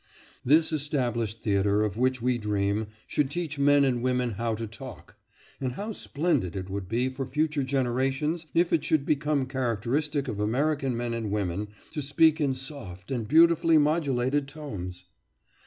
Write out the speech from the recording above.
This established theatre of which we dream should teach men and women how to talk; and how splendid it would be for future generations if it should become characteristic of American men and women to speak in soft and beautifully modulated tones!